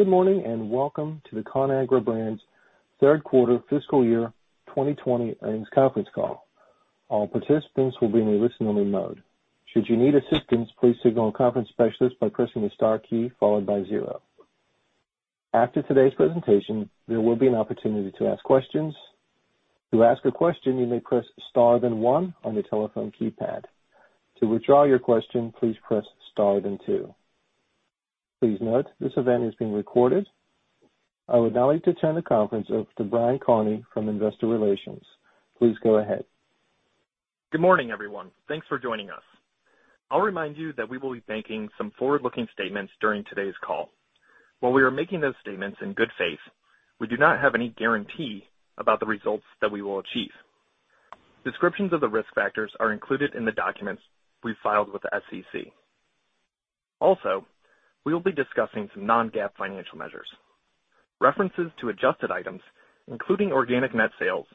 Good morning and welcome to the Conagra Brands Q3 Fiscal Year 2020 Earnings Conference Call. All participants will be in a listen-only mode. Should you need assistance, please signal a conference specialist by pressing the star key followed by zero. After today's presentation, there will be an opportunity to ask questions. To ask a question, you may press star then one on the telephone keypad. To withdraw your question, please press star then two. Please note this event is being recorded. I would now like to turn the conference over to Brian Kearney from Investor Relations. Please go ahead. Good morning, everyone. Thanks for joining us. I'll remind you that we will be making some forward-looking statements during today's call. While we are making those statements in good faith, we do not have any guarantee about the results that we will achieve. Descriptions of the risk factors are included in the documents we filed with the SEC. Also, we will be discussing some Non-GAAP financial measures. References to adjusted items, including organic net sales,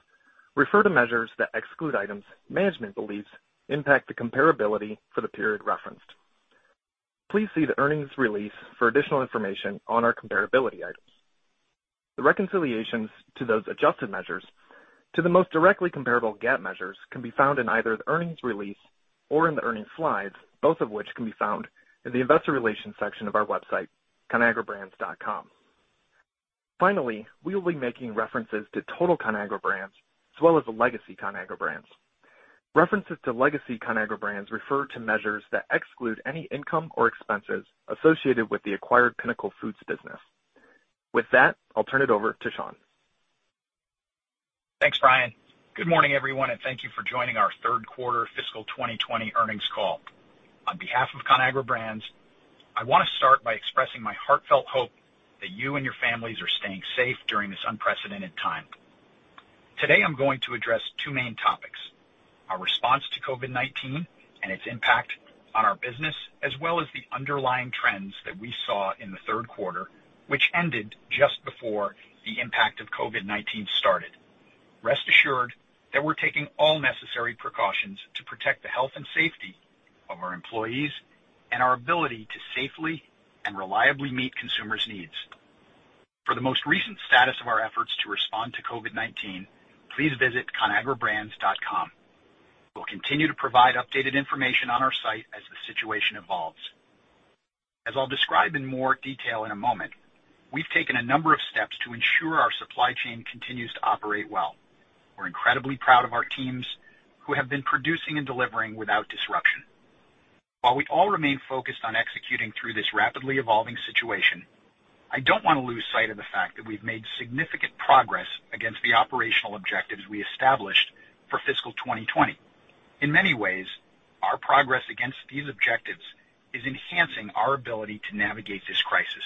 refer to measures that exclude items management believes impact the comparability for the period referenced. Please see the earnings release for additional information on our comparability items. The reconciliations to those adjusted measures to the most directly comparable GAAP measures can be found in either the earnings release or in the Earnings Slides, both of which can be found in the Investor Relations section of our website, conagrabrands.com. Finally, we will be making references to total Conagra Brands as well as the legacy Conagra Brands. References to legacy Conagra Brands refer to measures that exclude any income or expenses associated with the acquired Pinnacle Foods business. With that, I'll turn it over to Sean. Thanks, Brian. Good morning, everyone, and thank you for joining our Q3 Fiscal 2020 Earnings Call. On behalf of Conagra Brands, I want to start by expressing my heartfelt hope that you and your families are staying safe during this unprecedented time. Today, I'm going to address two main topics: our response to COVID-19 and its impact on our business, as well as the underlying trends that we saw in the Q3, which ended just before the impact of COVID-19 started. Rest assured that we're taking all necessary precautions to protect the health and safety of our employees and our ability to safely and reliably meet consumers' needs. For the most recent status of our efforts to respond to COVID-19, please visit conagrabrands.com. We'll continue to provide updated information on our site as the situation evolves. As I'll describe in more detail in a moment, we've taken a number of steps to ensure our supply chain continues to operate well. We're incredibly proud of our teams who have been producing and delivering without disruption. While we all remain focused on executing through this rapidly evolving situation, I don't want to lose sight of the fact that we've made significant progress against the operational objectives we established for fiscal 2020. In many ways, our progress against these objectives is enhancing our ability to navigate this crisis.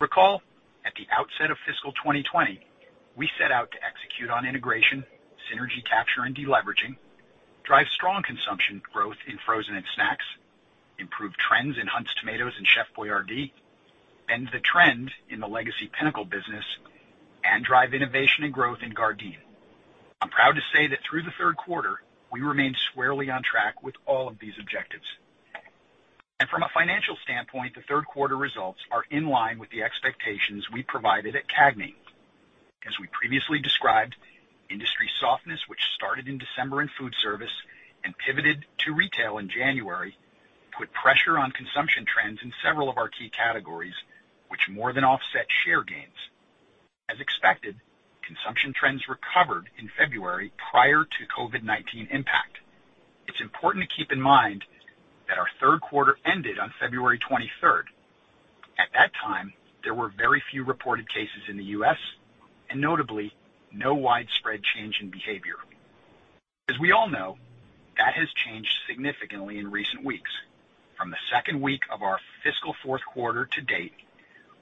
Recall, at the outset of fiscal 2020, we set out to execute on integration, synergy capture and deleveraging, drive strong consumption growth in frozen and snacks, improve trends in Hunt's tomatoes and Chef Boyardee, bend the trend in the Legacy Pinnacle business, and drive innovation and growth in Gardein. I'm proud to say that through the Q3, we remained squarely on track with all of these objectives, and from a financial standpoint, the Q3 results are in line with the expectations we provided at CAGNY. As we previously described, industry softness, which started in December in Foodservice and pivoted to retail in January, put pressure on consumption trends in several of our key categories, which more than offset share gains. As expected, consumption trends recovered in February prior to COVID-19 impact. It's important to keep in mind that our Q3 ended on 23rd February. At that time, there were very few reported cases in the US, and notably, no widespread change in behavior. As we all know, that has changed significantly in recent weeks. From the second week of our fiscal Q4 to date,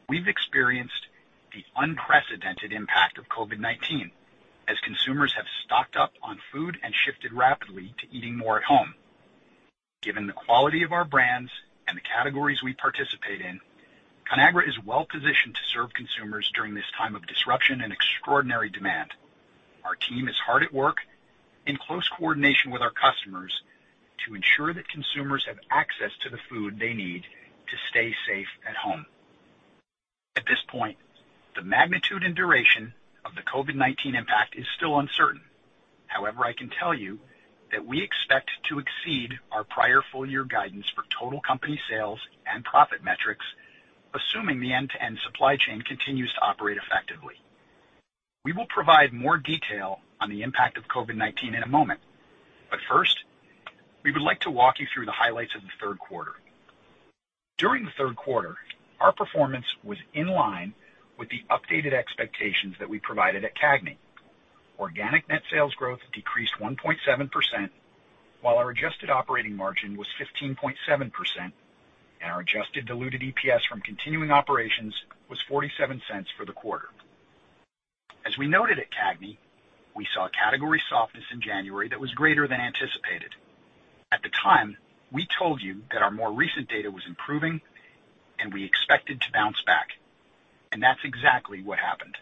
we've experienced the unprecedented impact of COVID-19 as consumers have stocked up on food and shifted rapidly to eating more at home. Given the quality of our brands and the categories we participate in, Conagra is well positioned to serve consumers during this time of disruption and extraordinary demand. Our team is hard at work in close coordination with our customers to ensure that consumers have access to the food they need to stay safe at home. At this point, the magnitude and duration of the COVID-19 impact is still uncertain. However, I can tell you that we expect to exceed our prior full-year guidance for total company sales and profit metrics, assuming the end-to-end supply chain continues to operate effectively. We will provide more detail on the impact of COVID-19 in a moment, but first, we would like to walk you through the highlights of the Q3. During the Q3, our performance was in line with the updated expectations that we provided at CAGNY. Organic net sales growth decreased 1.7%, while our adjusted operating margin was 15.7%, and our adjusted diluted EPS from continuing operations was $0.47 for the quarter. As we noted at CAGNY, we saw category softness in January that was greater than anticipated. At the time, we told you that our more recent data was improving and we expected to bounce back, and that's exactly what happened.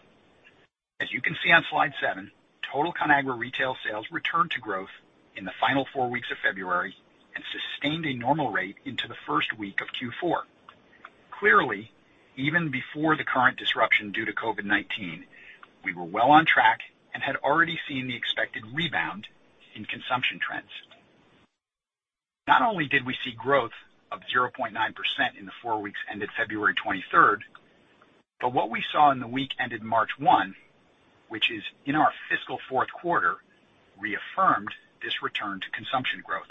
As you can see on Slide seven, total Conagra retail sales returned to growth in the final four weeks of February and sustained a normal rate into the first week of Q4. Clearly, even before the current disruption due to COVID-19, we were well on track and had already seen the expected rebound in consumption trends. Not only did we see growth of 0.9% in the four weeks ended 23rd February, but what we saw in the week ended 1 March, which is in our fiscal Q4, reaffirmed this return to consumption growth,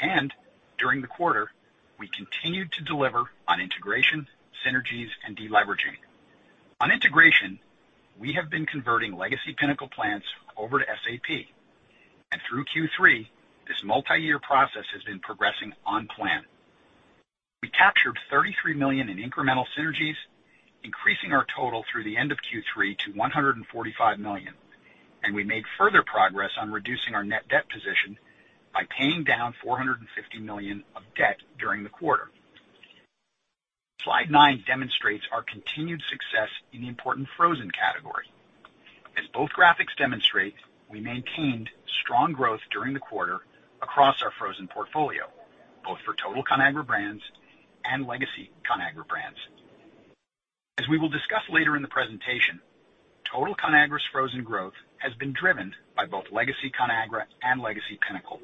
and during the quarter, we continued to deliver on integration, synergies, and deleveraging. On integration, we have been converting Legacy Pinnacle plants over to SAP, and through Q3, this multi-year process has been progressing on plan. We captured $33 million in incremental synergies, increasing our total through the end of Q3 to $145 million, and we made further progress on reducing our net debt position by paying down $450 million of debt during the quarter. Slide nine demonstrates our continued success in the important frozen category. As both graphics demonstrate, we maintained strong growth during the quarter across our frozen portfolio, both for total Conagra Brands and legacy Conagra Brands. As we will discuss later in the presentation, total Conagra's frozen growth has been driven by both legacy Conagra and Legacy Pinnacle.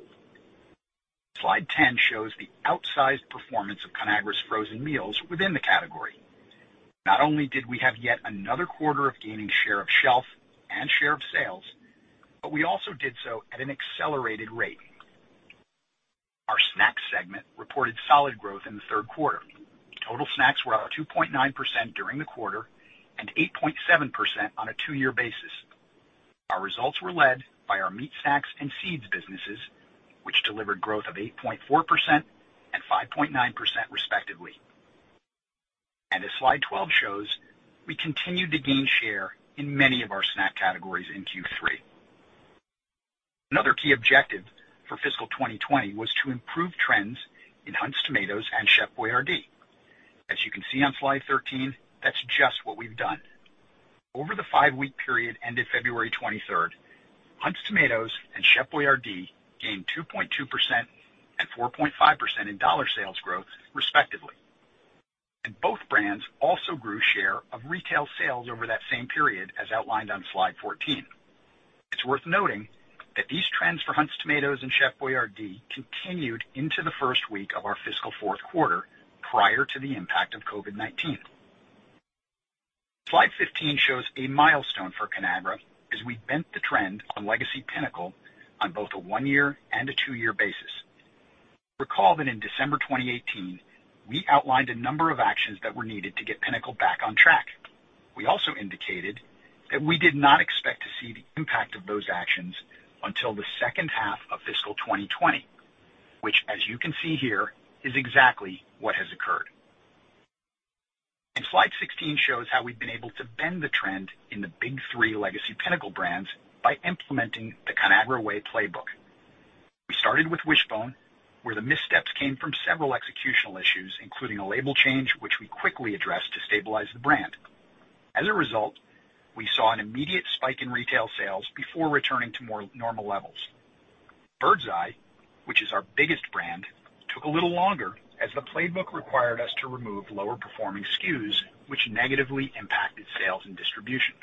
Slide 10 shows the outsized performance of Conagra's frozen meals within the category. Not only did we have yet another quarter of gaining share of shelf and share of sales, but we also did so at an accelerated rate. Our snacks segment reported solid growth in the Q3. Total snacks were up 2.9% during the quarter and 8.7% on a two-year basis. Our results were led by our meat snacks and seeds businesses, which delivered growth of 8.4% and 5.9% respectively. And as Slide 12 shows, we continued to gain share in many of our snack categories in Q3. Another key objective for fiscal 2020 was to improve trends in Hunt's tomatoes and Chef Boyardee. As you can see on Slide 13, that's just what we've done. Over the five-week period ended 23rd February, Hunt's tomatoes and Chef Boyardee gained 2.2% and 4.5% in dollar sales growth respectively, and both brands also grew share of retail sales over that same period as outlined on Slide 14. It's worth noting that these trends for Hunt's tomatoes and Chef Boyardee continued into the first week of our fiscal Q4 prior to the impact of COVID-19. Slide 15 shows a milestone for Conagra as we bent the trend on Legacy Pinnacle on both a one-year and a two-year basis. Recall that in December 2018, we outlined a number of actions that were needed to get Pinnacle back on track. We also indicated that we did not expect to see the impact of those actions until the second half of fiscal 2020, which, as you can see here, is exactly what has occurred, and Slide 16 shows how we've been able to bend the trend in the big three Legacy Pinnacle brands by implementing the Conagra Way playbook. We started with Wish-Bone, where the missteps came from several executional issues, including a label change, which we quickly addressed to stabilize the brand. As a result, we saw an immediate spike in retail sales before returning to more normal levels. Birds Eye, which is our biggest brand, took a little longer as the playbook required us to remove lower-performing SKUs, which negatively impacted sales and distribution.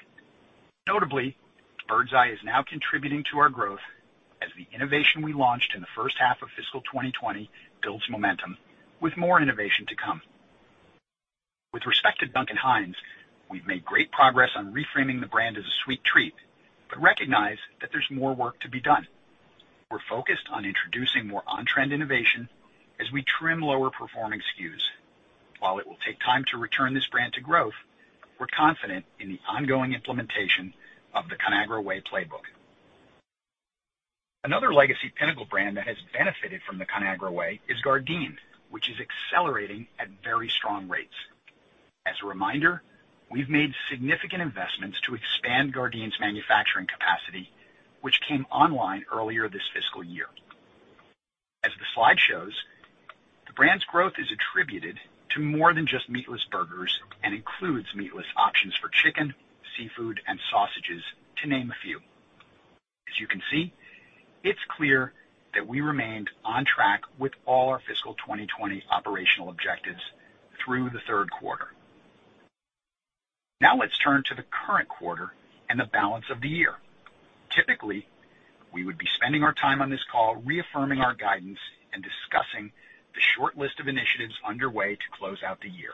Notably, Birds Eye is now contributing to our growth as the innovation we launched in the first half of fiscal 2020 builds momentum with more innovation to come. With respect to Duncan Hines, we've made great progress on reframing the brand as a sweet treat, but recognize that there's more work to be done. We're focused on introducing more on-trend innovation as we trim lower-performing SKUs. While it will take time to return this brand to growth, we're confident in the ongoing implementation of the Conagra Way playbook. Another Legacy Pinnacle brand that has benefited from the Conagra Way is Gardein, which is accelerating at very strong rates. As a reminder, we've made significant investments to expand Gardein's manufacturing capacity, which came online earlier this fiscal year. As the slide shows, the brand's growth is attributed to more than just meatless burgers and includes meatless options for chicken, seafood, and sausages, to name a few. As you can see, it's clear that we remained on track with all our fiscal 2020 operational objectives through the Q3. Now let's turn to the current quarter and the balance of the year. Typically, we would be spending our time on this call reaffirming our guidance and discussing the short list of initiatives underway to close out the year.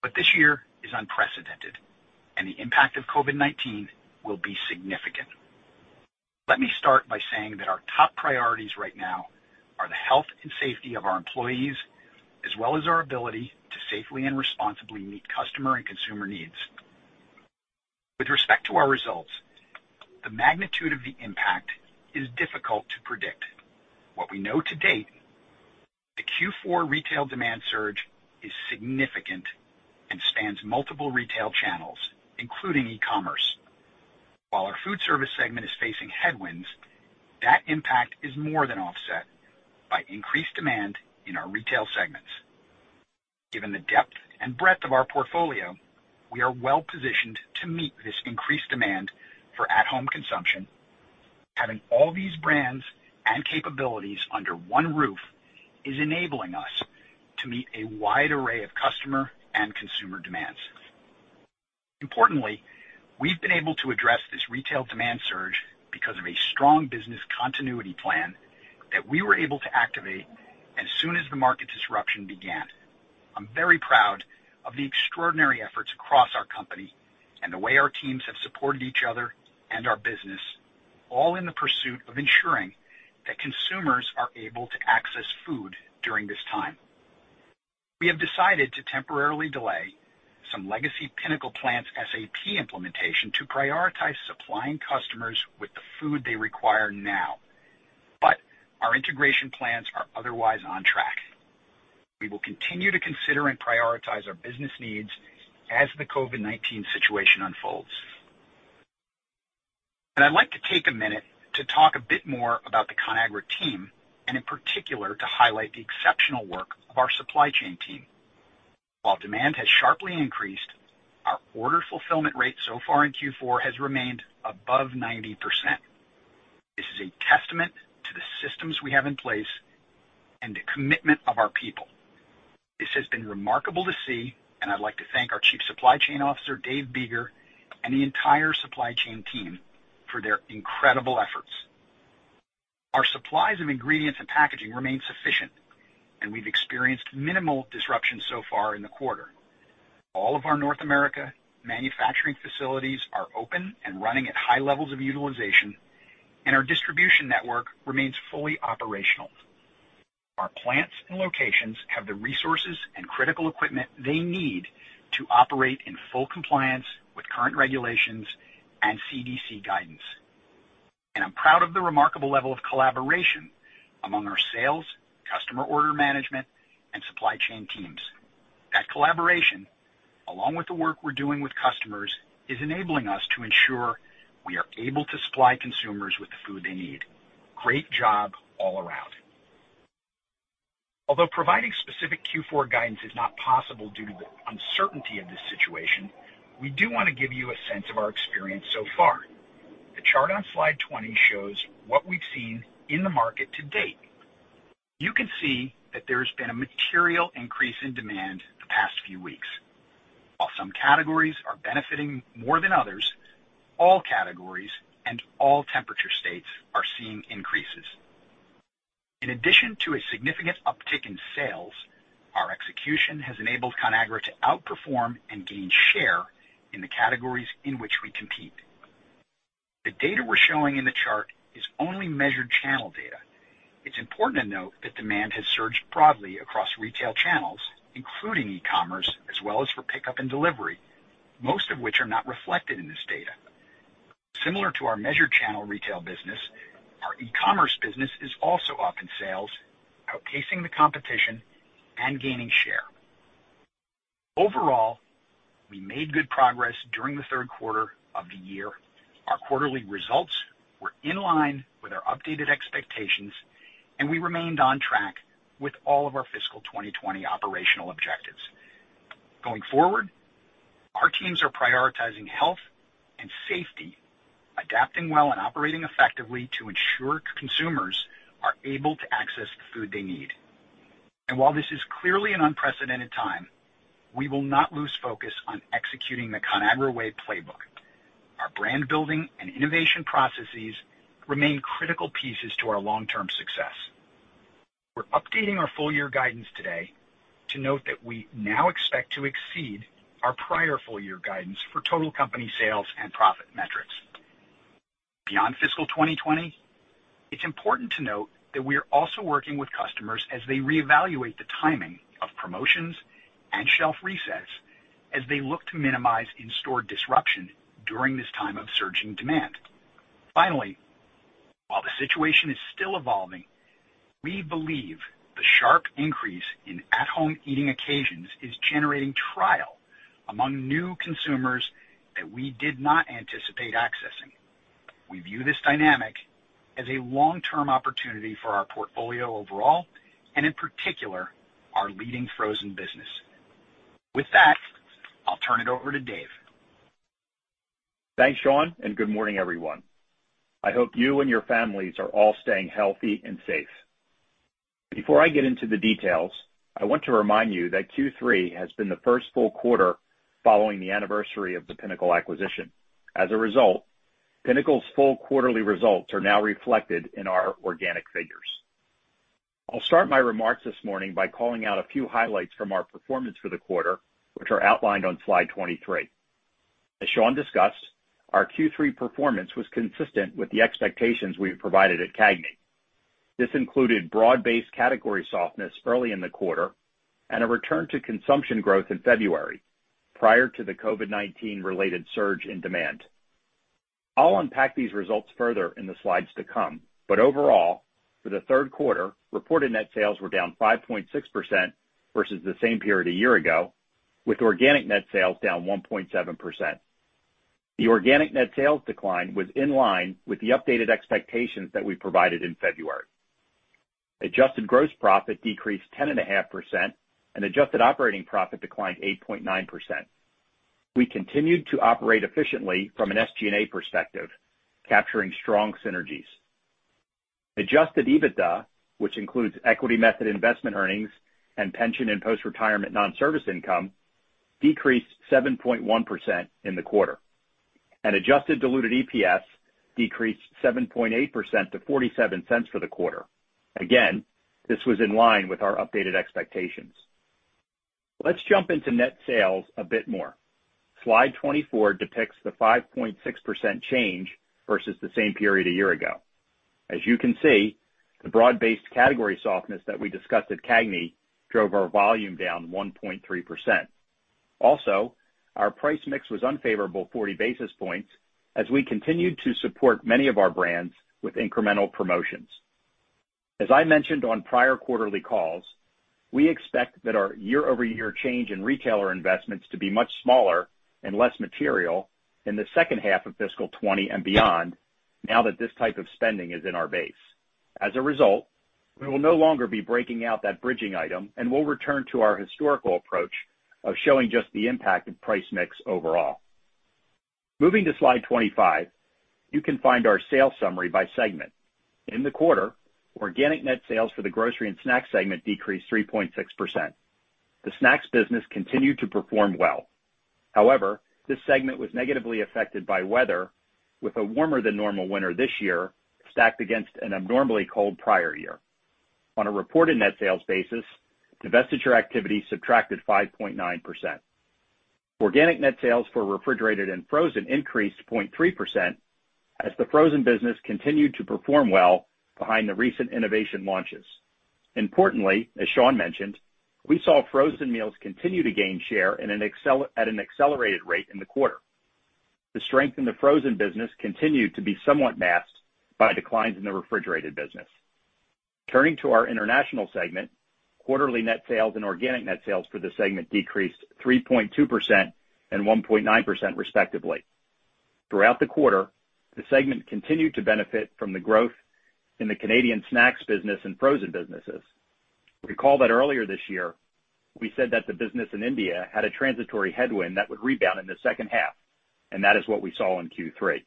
But this year is unprecedented, and the impact of COVID-19 will be significant. Let me start by saying that our top priorities right now are the health and safety of our employees, as well as our ability to safely and responsibly meet customer and consumer needs. With respect to our results, the magnitude of the impact is difficult to predict. What we know to date, the Q4 retail demand surge is significant and spans multiple retail channels, including e-commerce. While our Foodservice segment is facing headwinds, that impact is more than offset by increased demand in our retail segments. Given the depth and breadth of our portfolio, we are well positioned to meet this increased demand for at-home consumption. Having all these brands and capabilities under one roof is enabling us to meet a wide array of customer and consumer demands. Importantly, we've been able to address this retail demand surge because of a strong business continuity plan that we were able to activate as soon as the market disruption began. I'm very proud of the extraordinary efforts across our company and the way our teams have supported each other and our business, all in the pursuit of ensuring that consumers are able to access food during this time. We have decided to temporarily delay some Legacy Pinnacle plants' SAP implementation to prioritize supplying customers with the food they require now, but our integration plans are otherwise on track. We will continue to consider and prioritize our business needs as the COVID-19 situation unfolds, and I'd like to take a minute to talk a bit more about the Conagra team and, in particular, to highlight the exceptional work of our supply chain team. While demand has sharply increased, our order fulfillment rate so far in Q4 has remained above 90%. This is a testament to the systems we have in place and the commitment of our people. This has been remarkable to see, and I'd like to thank our Chief Supply Chain Officer, Dave Biegger, and the entire supply chain team for their incredible efforts. Our supplies of ingredients and packaging remain sufficient, and we've experienced minimal disruption so far in the quarter. All of our North America manufacturing facilities are open and running at high levels of utilization, and our distribution network remains fully operational. Our plants and locations have the resources and critical equipment they need to operate in full compliance with current regulations and CDC guidance. And I'm proud of the remarkable level of collaboration among our sales, customer order management, and supply chain teams. That collaboration, along with the work we're doing with customers, is enabling us to ensure we are able to supply consumers with the food they need. Great job all around. Although providing specific Q4 guidance is not possible due to the uncertainty of this situation, we do want to give you a sense of our experience so far. The chart on Slide 20 shows what we've seen in the market to date. You can see that there has been a material increase in demand the past few weeks. While some categories are benefiting more than others, all categories and all temperature states are seeing increases. In addition to a significant uptick in sales, our execution has enabled Conagra to outperform and gain share in the categories in which we compete. The data we're showing in the chart is only measured channel data. It's important to note that demand has surged broadly across retail channels, including e-commerce, as well as for pickup and delivery, most of which are not reflected in this data. Similar to our measured channel retail business, our e-commerce business is also up in sales, outpacing the competition and gaining share. Overall, we made good progress during the Q3 of the year. Our quarterly results were in line with our updated expectations, and we remained on track with all of our fiscal 2020 operational objectives. Going forward, our teams are prioritizing health and safety, adapting well and operating effectively to ensure consumers are able to access the food they need. And while this is clearly an unprecedented time, we will not lose focus on executing the Conagra Way playbook. Our brand building and innovation processes remain critical pieces to our long-term success. We're updating our full-year guidance today to note that we now expect to exceed our prior full-year guidance for total company sales and profit metrics. Beyond fiscal 2020, it's important to note that we are also working with customers as they reevaluate the timing of promotions and shelf resets as they look to minimize in-store disruption during this time of surging demand. Finally, while the situation is still evolving, we believe the sharp increase in at-home eating occasions is generating trial among new consumers that we did not anticipate accessing. We view this dynamic as a long-term opportunity for our portfolio overall and, in particular, our leading frozen business. With that, I'll turn it over to Dave. Thanks, Sean, and good morning, everyone. I hope you and your families are all staying healthy and safe. Before I get into the details, I want to remind you that Q3 has been the first full quarter following the anniversary of the Pinnacle acquisition. As a result, Pinnacle's full quarterly results are now reflected in our organic figures. I'll start my remarks this morning by calling out a few highlights from our performance for the quarter, which are outlined on Slide 23. As Sean discussed, our Q3 performance was consistent with the expectations we've provided at CAGNY. This included broad-based category softness early in the quarter and a return to consumption growth in February prior to the COVID-19-related surge in demand. I'll unpack these results further in the slides to come, but overall, for the Q3, reported net sales were down 5.6% versus the same period a year ago, with organic net sales down 1.7%. The organic net sales decline was in line with the updated expectations that we provided in February. Adjusted gross profit decreased 10.5%, and adjusted operating profit declined 8.9%. We continued to operate efficiently from an SG&A perspective, capturing strong synergies. Adjusted EBITDA, which includes equity method investment earnings and pension and post-retirement non-service income, decreased 7.1% in the quarter. Adjusted diluted EPS decreased 7.8% to $0.47 for the quarter. Again, this was in line with our updated expectations. Let's jump into net sales a bit more. Slide 24 depicts the 5.6% change versus the same period a year ago. As you can see, the broad-based category softness that we discussed at CAGNY drove our volume down 1.3%. Also, our price mix was unfavorable 40 basis points as we continued to support many of our brands with incremental promotions. As I mentioned on prior quarterly calls, we expect that our year-over-year change in retailer investments to be much smaller and less material in the second half of fiscal 2020 and beyond now that this type of spending is in our base. As a result, we will no longer be breaking out that bridging item, and we'll return to our historical approach of showing just the impact of price mix overall. Moving to Slide 25, you can find our sales summary by segment. In the quarter, organic net sales for the Grocery & Snacks segment decreased 3.6%. The snacks business continued to perform well. However, this segment was negatively affected by weather, with a warmer-than-normal winter this year stacked against an abnormally cold prior year. On a reported net sales basis, divestiture activity subtracted 5.9%. Organic net sales for Refrigerated & Frozen increased 0.3% as the frozen business continued to perform well behind the recent innovation launches. Importantly, as Sean mentioned, we saw frozen meals continue to gain share at an accelerated rate in the quarter. The strength in the frozen business continued to be somewhat masked by declines in the refrigerated business. Turning to our International segment, quarterly net sales and organic net sales for the segment decreased 3.2% and 1.9%, respectively. Throughout the quarter, the segment continued to benefit from the growth in the Canadian snacks business and frozen businesses. Recall that earlier this year, we said that the business in India had a transitory headwind that would rebound in the second half, and that is what we saw in Q3.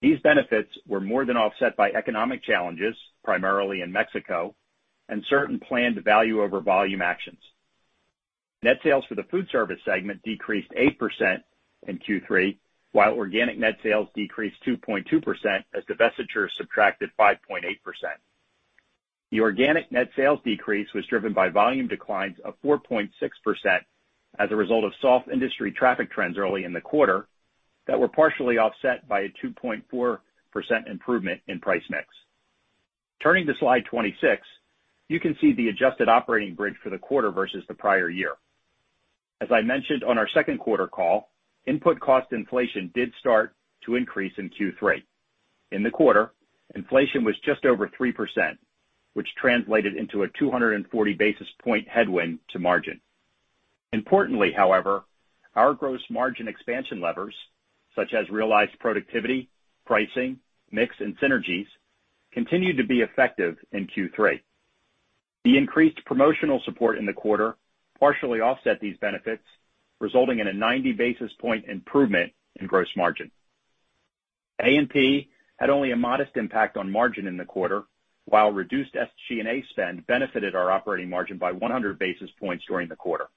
These benefits were more than offset by economic challenges, primarily in Mexico, and certain planned value-over-volume actions. Net sales for the Foodservice segment decreased 8% in Q3, while organic net sales decreased 2.2% as divestiture subtracted 5.8%. The organic net sales decrease was driven by volume declines of 4.6% as a result of soft industry traffic trends early in the quarter that were partially offset by a 2.4% improvement in price mix. Turning to Slide 26, you can see the adjusted operating bridge for the quarter versus the prior year. As I mentioned on our Q2 call, input cost inflation did start to increase in Q3. In the quarter, inflation was just over 3%, which translated into a 240 basis points headwind to margin. Importantly, however, our gross margin expansion levers, such as realized productivity, pricing, mix, and synergies, continued to be effective in Q3. The increased promotional support in the quarter partially offset these benefits, resulting in a 90 basis points improvement in gross margin. A&P had only a modest impact on margin in the quarter, while reduced SG&A spend benefited our operating margin by 100 basis points during the quarter.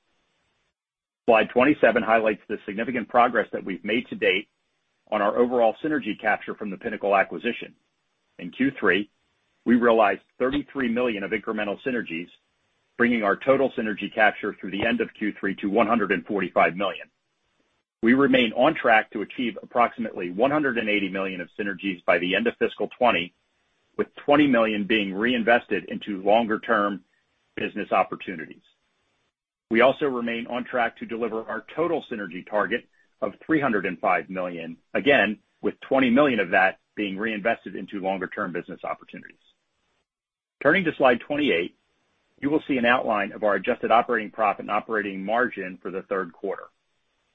Slide 27 highlights the significant progress that we've made to date on our overall synergy capture from the Pinnacle acquisition. In Q3, we realized $33 million of incremental synergies, bringing our total synergy capture through the end of Q3 to $145 million. We remain on track to achieve approximately $180 million of synergies by the end of fiscal 2020, with $20 million being reinvested into longer-term business opportunities. We also remain on track to deliver our total synergy target of $305 million, again, with $20 million of that being reinvested into longer-term business opportunities. Turning to Slide 28, you will see an outline of our adjusted operating profit and operating margin for the Q3.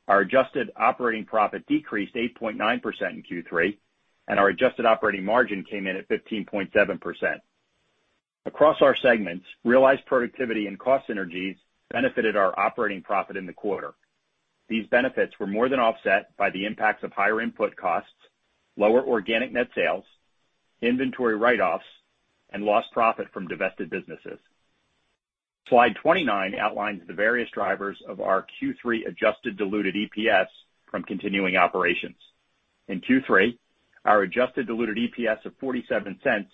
Our adjusted operating profit decreased 8.9% in Q3, and our adjusted operating margin came in at 15.7%. Across our segments, realized productivity and cost synergies benefited our operating profit in the quarter. These benefits were more than offset by the impacts of higher input costs, lower organic net sales, inventory write-offs, and lost profit from divested businesses. Slide 29 outlines the various drivers of our Q3 adjusted diluted EPS from continuing operations. In Q3, our adjusted diluted EPS of $0.47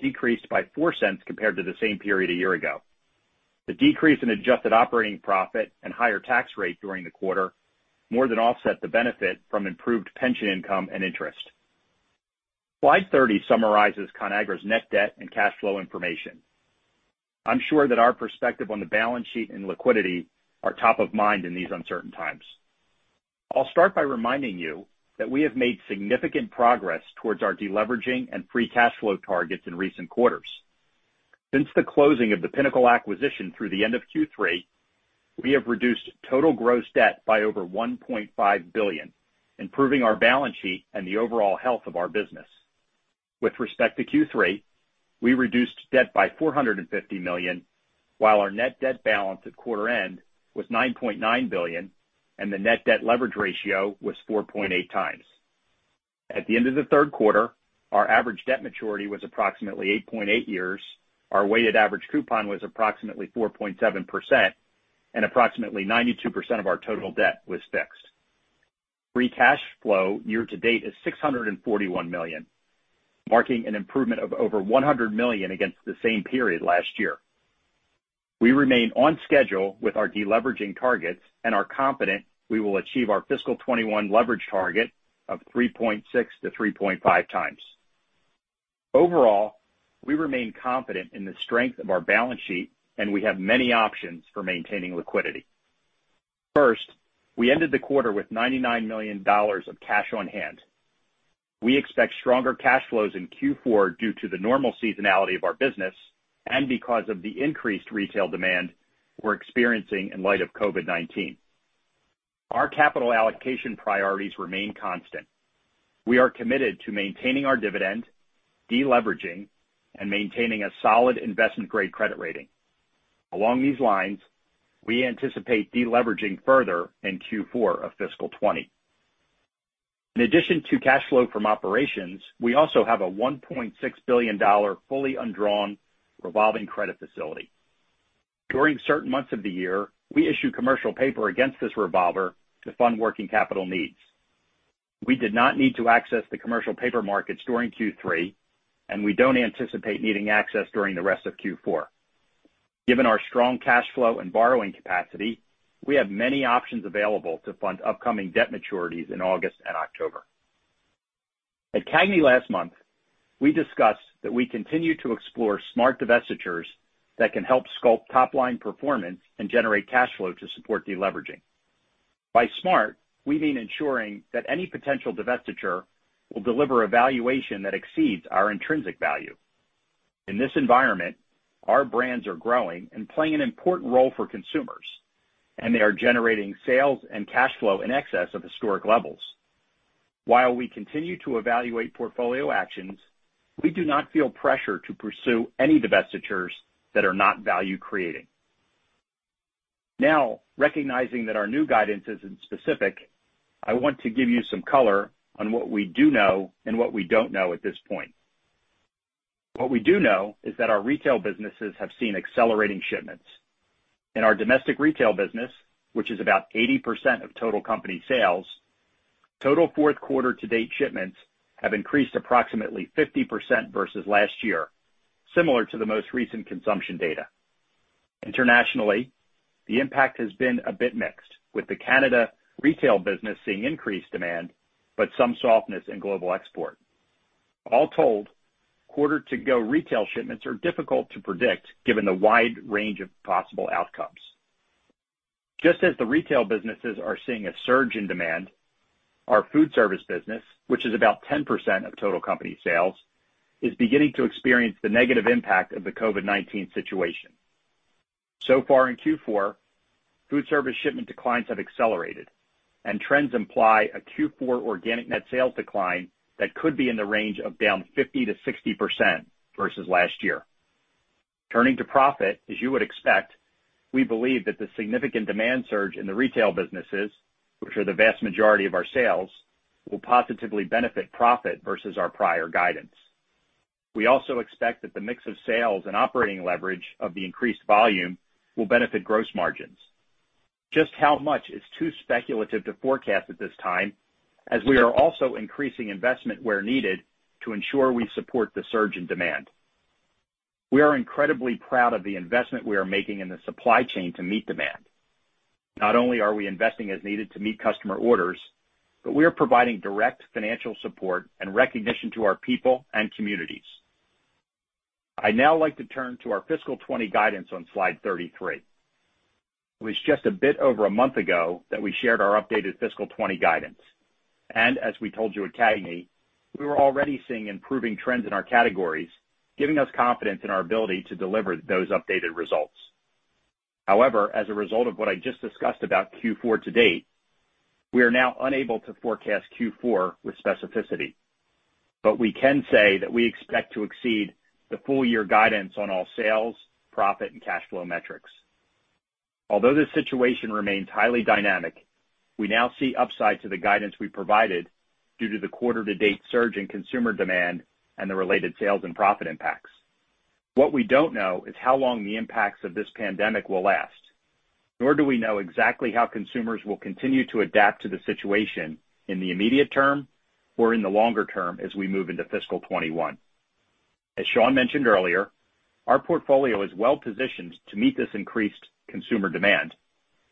decreased by $0.04 compared to the same period a year ago. The decrease in adjusted operating profit and higher tax rate during the quarter more than offset the benefit from improved pension income and interest. Slide 30 summarizes Conagra's net debt and cash flow information. I'm sure that our perspective on the balance sheet and liquidity are top of mind in these uncertain times. I'll start by reminding you that we have made significant progress towards our deleveraging and free cash flow targets in recent quarters. Since the closing of the Pinnacle acquisition through the end of Q3, we have reduced total gross debt by over $1.5 billion, improving our balance sheet and the overall health of our business. With respect to Q3, we reduced debt by $450 million, while our net debt balance at quarter end was $9.9 billion, and the net debt leverage ratio was 4.8x. At the end of the Q3, our average debt maturity was approximately 8.8 years, our weighted average coupon was approximately 4.7%, and approximately 92% of our total debt was fixed. Free cash flow year-to-date is $641 million, marking an improvement of over $100 million against the same period last year. We remain on schedule with our deleveraging targets, and are confident we will achieve our fiscal 2021 leverage target of 3.6x to 3.5x. Overall, we remain confident in the strength of our balance sheet, and we have many options for maintaining liquidity. First, we ended the quarter with $99 million of cash on hand. We expect stronger cash flows in Q4 due to the normal seasonality of our business and because of the increased retail demand we're experiencing in light of COVID-19. Our capital allocation priorities remain constant. We are committed to maintaining our dividend, deleveraging, and maintaining a solid investment-grade credit rating. Along these lines, we anticipate deleveraging further in Q4 of fiscal 2020. In addition to cash flow from operations, we also have a $1.6 billion fully undrawn revolving credit facility. During certain months of the year, we issue commercial paper against this revolver to fund working capital needs. We did not need to access the commercial paper markets during Q3, and we don't anticipate needing access during the rest of Q4. Given our strong cash flow and borrowing capacity, we have many options available to fund upcoming debt maturities in August and October. At CAGNY last month, we discussed that we continue to explore smart divestitures that can help sculpt top-line performance and generate cash flow to support deleveraging. By smart, we mean ensuring that any potential divestiture will deliver a valuation that exceeds our intrinsic value. In this environment, our brands are growing and playing an important role for consumers, and they are generating sales and cash flow in excess of historic levels. While we continue to evaluate portfolio actions, we do not feel pressure to pursue any divestitures that are not value-creating. Now, recognizing that our new guidance isn't specific, I want to give you some color on what we do know and what we don't know at this point. What we do know is that our retail businesses have seen accelerating shipments. In our domestic retail business, which is about 80% of total company sales, total Q4-to-date shipments have increased approximately 50% versus last year, similar to the most recent consumption data. Internationally, the impact has been a bit mixed, with the Canada retail business seeing increased demand but some softness in global export. All told, quarter-to-go retail shipments are difficult to predict given the wide range of possible outcomes. Just as the retail businesses are seeing a surge in demand, our Foodservice business, which is about 10% of total company sales, is beginning to experience the negative impact of the COVID-19 situation. So far in Q4, Foodservice shipment declines have accelerated, and trends imply a Q4 organic net sales decline that could be in the range of down 50% to 60% versus last year. Turning to profit, as you would expect, we believe that the significant demand surge in the retail businesses, which are the vast majority of our sales, will positively benefit profit versus our prior guidance. We also expect that the mix of sales and operating leverage of the increased volume will benefit gross margins. Just how much is too speculative to forecast at this time, as we are also increasing investment where needed to ensure we support the surge in demand. We are incredibly proud of the investment we are making in the supply chain to meet demand. Not only are we investing as needed to meet customer orders, but we are providing direct financial support and recognition to our people and communities. I'd now like to turn to our fiscal 20 guidance on Slide 33. It was just a bit over a month ago that we shared our updated fiscal 2020 guidance. And as we told you at CAGNY, we were already seeing improving trends in our categories, giving us confidence in our ability to deliver those updated results. However, as a result of what I just discussed about Q4 to date, we are now unable to forecast Q4 with specificity. But we can say that we expect to exceed the full-year guidance on all sales, profit, and cash flow metrics. Although this situation remains highly dynamic, we now see upside to the guidance we provided due to the quarter-to-date surge in consumer demand and the related sales and profit impacts. What we don't know is how long the impacts of this pandemic will last, nor do we know exactly how consumers will continue to adapt to the situation in the immediate term or in the longer term as we move into fiscal 2021. As Sean mentioned earlier, our portfolio is well-positioned to meet this increased consumer demand,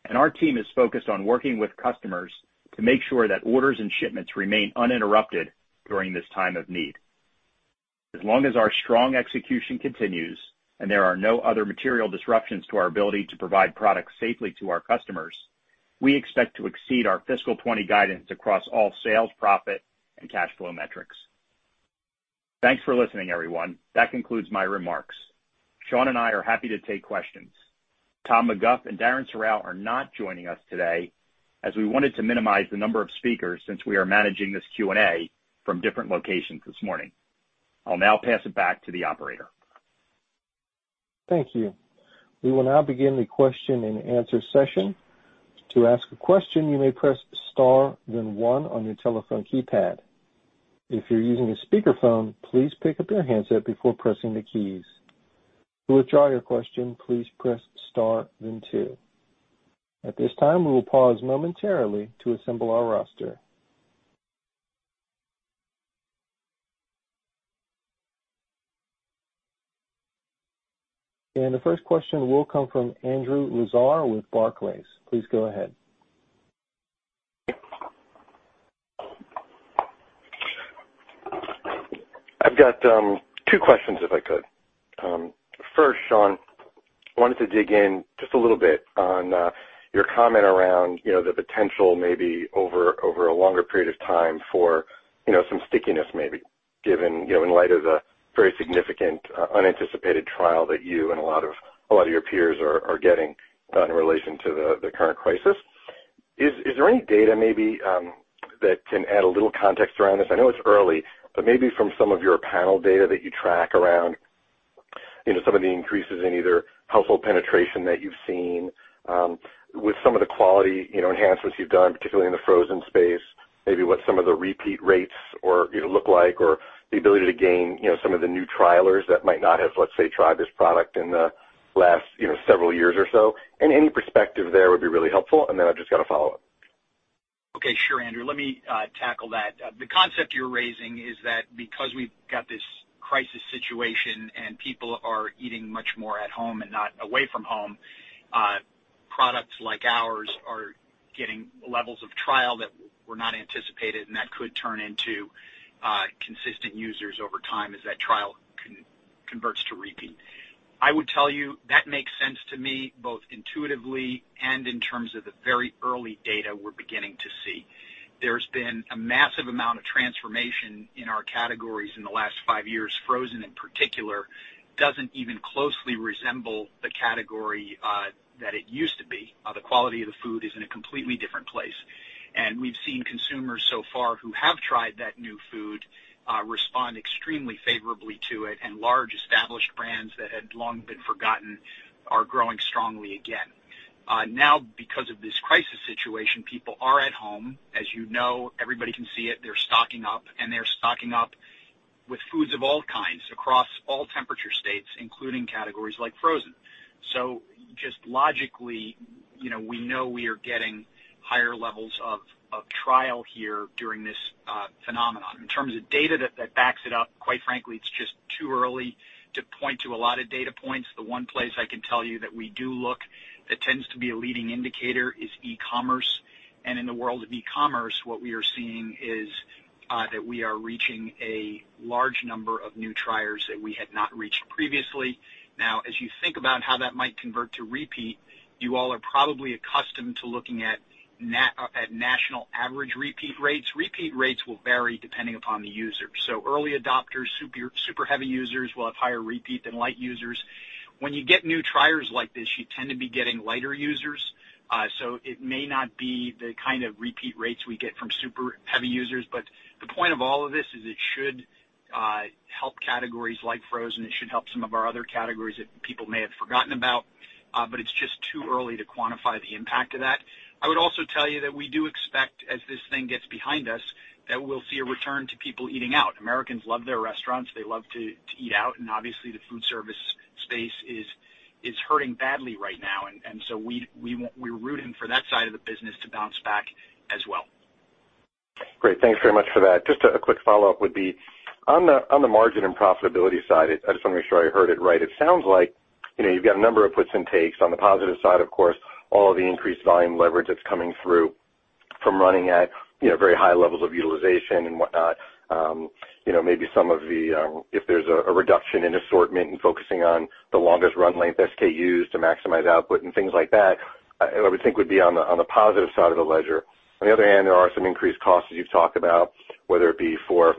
and our team is focused on working with customers to make sure that orders and shipments remain uninterrupted during this time of need. As long as our strong execution continues and there are no other material disruptions to our ability to provide products safely to our customers, we expect to exceed our fiscal 2020 guidance across all sales, profit, and cash flow metrics. Thanks for listening, everyone. That concludes my remarks. Sean and I are happy to take questions. Tom McGough and Darren Serrao are not joining us today as we wanted to minimize the number of speakers since we are managing this Q&A from different locations this morning. I'll now pass it back to the operator. Thank you. We will now begin the question and answer session. To ask a question, you may press star, then one on your telephone keypad. If you're using a speakerphone, please pick up your handset before pressing the keys. To withdraw your question, please press star, then two. At this time, we will pause momentarily to assemble our roster, and the first question will come from Andrew Lazar with Barclays. Please go ahead. I've got two questions, if I could. First, Sean, I wanted to dig in just a little bit on your comment around the potential, maybe over a longer period of time, for some stickiness, maybe, given in light of the very significant unanticipated trial that you and a lot of your peers are getting in relation to the current crisis. Is there any data maybe that can add a little context around this? I know it's early, but maybe from some of your panel data that you track around some of the increases in either household penetration that you've seen, with some of the quality enhancements you've done, particularly in the frozen space, maybe what some of the repeat rates look like, or the ability to gain some of the new trialers that might not have, let's say, tried this product in the last several years or so, and any perspective there would be really helpful. Then I've just got a follow-up. Okay. Sure, Andrew. Let me tackle that. The concept you're raising is that because we've got this crisis situation and people are eating much more at home and not away from home, products like ours are getting levels of trial that were not anticipated, and that could turn into consistent users over time as that trial converts to repeat. I would tell you that makes sense to me, both intuitively and in terms of the very early data we're beginning to see. There's been a massive amount of transformation in our categories in the last five years. Frozen, in particular, doesn't even closely resemble the category that it used to be. The quality of the food is in a completely different place. And we've seen consumers so far who have tried that new food respond extremely favorably to it, and large established brands that had long been forgotten are growing strongly again. Now, because of this crisis situation, people are at home. As you know, everybody can see it. They're stocking up, and they're stocking up with foods of all kinds across all temperature states, including categories like frozen. So just logically, we know we are getting higher levels of trial here during this phenomenon. In terms of data that backs it up, quite frankly, it's just too early to point to a lot of data points. The one place I can tell you that we do look that tends to be a leading indicator is e-commerce. And in the world of e-commerce, what we are seeing is that we are reaching a large number of new triers that we had not reached previously. Now, as you think about how that might convert to repeat, you all are probably accustomed to looking at national average repeat rates. Repeat rates will vary depending upon the user. So early adopters, super heavy users will have higher repeat than light users. When you get new triers like this, you tend to be getting lighter users. So it may not be the kind of repeat rates we get from super heavy users. But the point of all of this is it should help categories like frozen. It should help some of our other categories that people may have forgotten about. But it's just too early to quantify the impact of that. I would also tell you that we do expect, as this thing gets behind us, that we'll see a return to people eating out. Americans love their restaurants. They love to eat out, and obviously, the Foodservice space is hurting badly right now, and so we're rooting for that side of the business to bounce back as well. Great. Thanks very much for that. Just a quick follow-up would be, on the margin and profitability side, I just want to make sure I heard it right. It sounds like you've got a number of puts and takes. On the positive side, of course, all of the increased volume leverage that's coming through from running at very high levels of utilization and whatnot. Maybe some of the, if there's a reduction in assortment and focusing on the longest run length SKUs to maximize output and things like that, I would think would be on the positive side of the ledger. On the other hand, there are some increased costs as you've talked about, whether it be for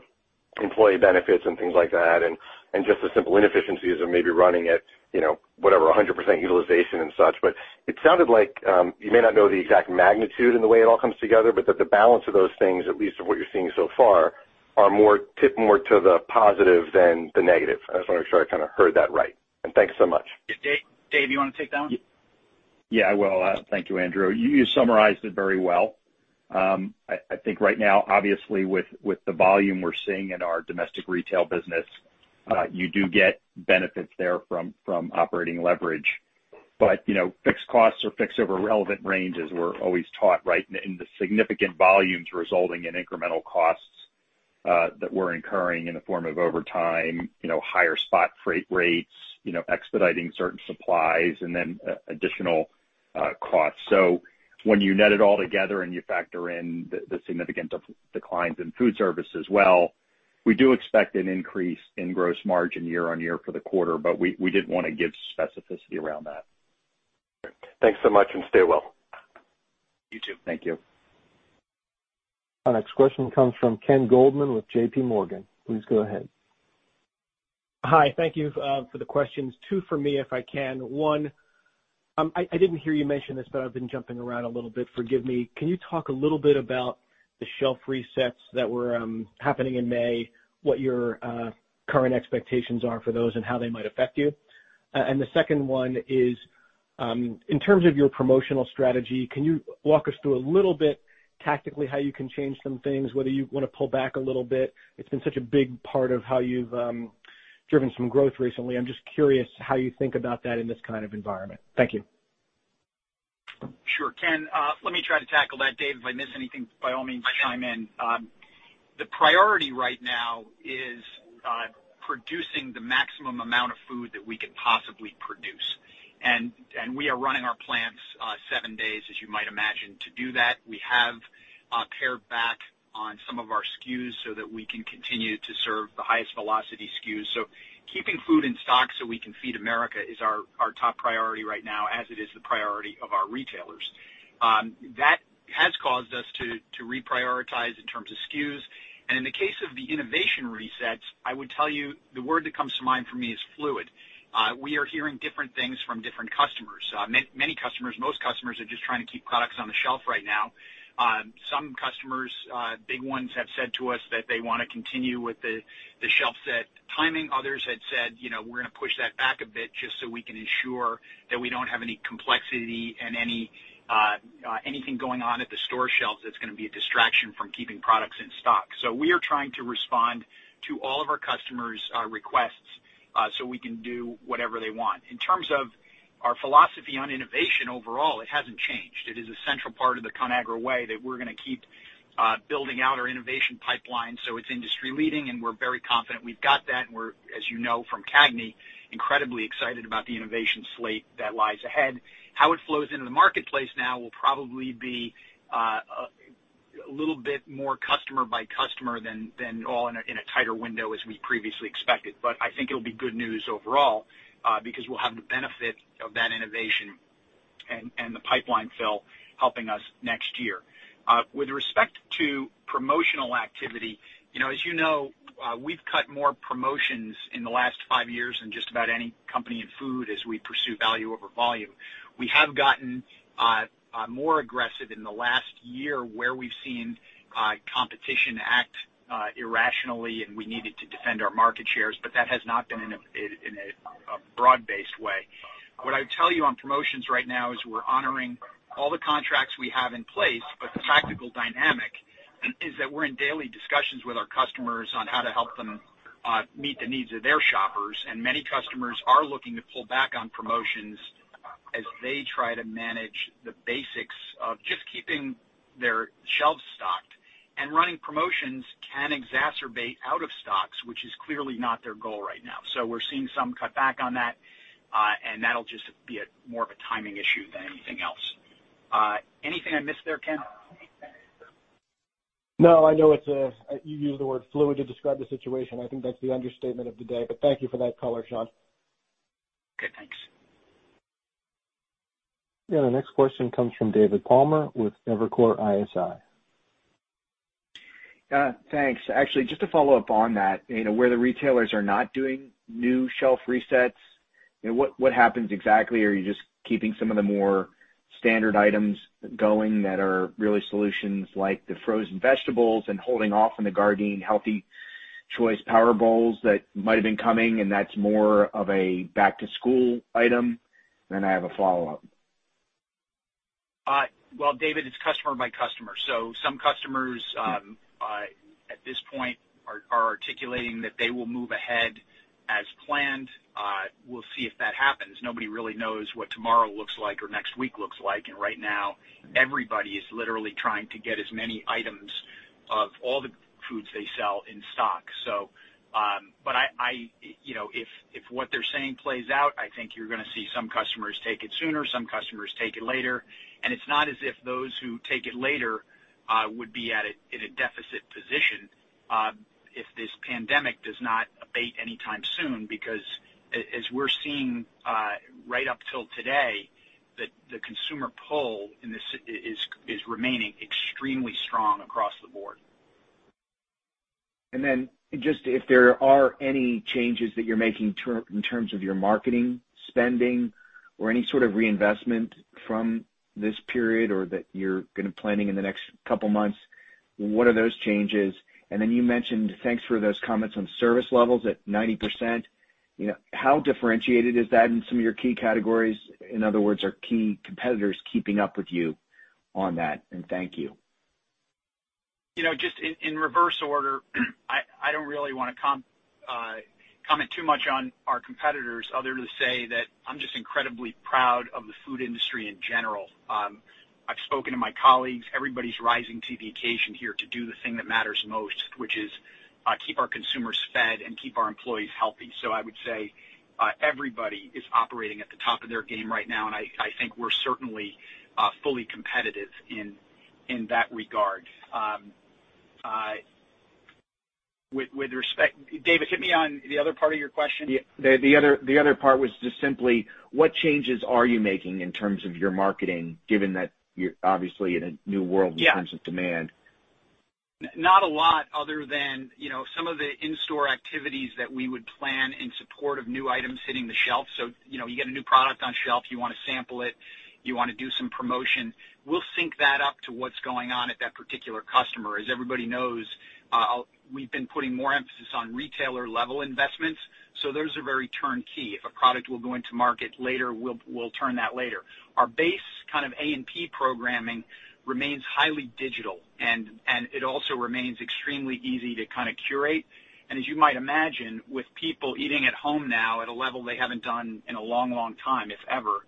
employee benefits and things like that, and just the simple inefficiencies of maybe running at, whatever, 100% utilization and such. But it sounded like you may not know the exact magnitude and the way it all comes together, but that the balance of those things, at least of what you're seeing so far, are more tipping more to the positive than the negative. I just want to make sure I kind of heard that right. And thanks so much. Dave, you want to take that one? Yeah, I will. Thank you, Andrew.nYou summarized it very well. I think right now, obviously, with the volume we're seeing in our domestic retail business, you do get benefits there from operating leverage. But fixed costs are fixed over relevant ranges, we're always taught, right? And the significant volumes resulting in incremental costs that we're incurring in the form of overtime, higher spot freight rates, expediting certain supplies, and then additional costs. So when you net it all together and you factor in the significant declines in Foodservice as well, we do expect an increase in gross margin year on year for the quarter, but we didn't want to give specificity around that. Thanks so much and stay well. You too. Thank you. Our next question comes from Ken Goldman with JPMorgan. Please go ahead. Hi. Thank you for the questions. Two for me, if I can. One, I didn't hear you mention this, but I've been jumping around a little bit. Forgive me. Can you talk a little bit about the shelf resets that were happening in May, what your current expectations are for those, and how they might affect you? And the second one is, in terms of your promotional strategy, can you walk us through a little bit tactically how you can change some things, whether you want to pull back a little bit? It's been such a big part of how you've driven some growth recently. I'm just curious how you think about that in this kind of environment. Thank you. Sure. Ken, let me try to tackle that. Dave, if I miss anything, by all means, chime in. The priority right now is producing the maximum amount of food that we can possibly produce. We are running our plants seven days, as you might imagine. To do that, we have pared back on some of our SKUs so that we can continue to serve the highest velocity SKUs. Keeping food in stock so we can feed America is our top priority right now, as it is the priority of our retailers. That has caused us to reprioritize in terms of SKUs. In the case of the innovation resets, I would tell you the word that comes to mind for me is fluid. We are hearing different things from different customers. Many customers, most customers are just trying to keep products on the shelf right now. Some customers, big ones, have said to us that they want to continue with the shelf set timing. Others had said, "We're going to push that back a bit just so we can ensure that we don't have any complexity and anything going on at the store shelves that's going to be a distraction from keeping products in stock." So we are trying to respond to all of our customers' requests so we can do whatever they want. In terms of our philosophy on innovation overall, it hasn't changed. It is a central part of the Conagra Way that we're going to keep building out our innovation pipeline so it's industry-leading. And we're very confident we've got that. And we're, as you know from CAGNY, incredibly excited about the innovation slate that lies ahead. How it flows into the marketplace now will probably be a little bit more customer by customer than all in a tighter window as we previously expected. But I think it'll be good news overall because we'll have the benefit of that innovation and the pipeline fill helping us next year. With respect to promotional activity, as you know, we've cut more promotions in the last five years than just about any company in food as we pursue value over volume. We have gotten more aggressive in the last year where we've seen competition act irrationally, and we needed to defend our market shares, but that has not been in a broad-based way. What I would tell you on promotions right now is we're honoring all the contracts we have in place, but the practical dynamic is that we're in daily discussions with our customers on how to help them meet the needs of their shoppers. Many customers are looking to pull back on promotions as they try to manage the basics of just keeping their shelves stocked. And running promotions can exacerbate out-of-stocks, which is clearly not their goal right now. So we're seeing some cutback on that, and that'll just be more of a timing issue than anything else. Anything I missed there, Ken? No, I know you used the word fluid to describe the situation. I think that's the understatement of the day. But thank you for that color, Sean. Okay. Thanks. Yeah. The next question comes from David Palmer with Evercore ISI. Thanks. Actually, just to follow up on that, where the retailers are not doing new shelf resets, what happens exactly? Are you just keeping some of the more standard items going that are really solutions like the frozen vegetables and holding off on the Gardein Healthy Choice Power Bowls that might have been coming, and that's more of a back-to-school item? Then I have a follow-up. Well, David, it's customer by customer. So some customers at this point are articulating that they will move ahead as planned. We'll see if that happens. Nobody really knows what tomorrow looks like or next week looks like. And right now, everybody is literally trying to get as many items of all the foods they sell in stock. But if what they're saying plays out, I think you're going to see some customers take it sooner, some customers take it later. And it's not as if those who take it later would be at a deficit position if this pandemic does not abate anytime soon because, as we're seeing right up till today, the consumer pull is remaining extremely strong across the board. And then just if there are any changes that you're making in terms of your marketing, spending, or any sort of reinvestment from this period or that you're going to be planning in the next couple of months, what are those changes? And then you mentioned. Thanks for those comments on service levels at 90%. How differentiated is that in some of your key categories? In other words, are key competitors keeping up with you on that? And thank you. Just in reverse order, I don't really want to comment too much on our competitors other than to say that I'm just incredibly proud of the food industry in general. I've spoken to my colleagues. Everybody's rising to the occasion here to do the thing that matters most, which is keep our consumers fed and keep our employees healthy. So I would say everybody is operating at the top of their game right now. And I think we're certainly fully competitive in that regard. David, hit me on the other part of your question. The other part was just simply, what changes are you making in terms of your marketing given that you're obviously in a new world in terms of demand? Not a lot other than some of the in-store activities that we would plan in support of new items hitting the shelf. So you get a new product on shelf. You want to sample it. You want to do some promotion. We'll sync that up to what's going on at that particular customer. As everybody knows, we've been putting more emphasis on retailer-level investments. So those are very turnkey. If a product will go into market later, we'll turn that later. Our base kind of A&P programming remains highly digital, and it also remains extremely easy to kind of curate. And as you might imagine, with people eating at home now at a level they haven't done in a long, long time, if ever,